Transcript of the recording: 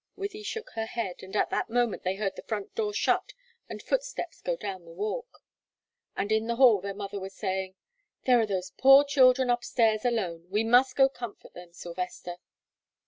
Wythie shook her head, and at that moment they heard the front door shut and footsteps go down the walk. And in the hall their mother was saying: "There are those poor children upstairs alone; we must go comfort them, Sylvester."